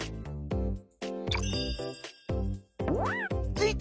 ついた！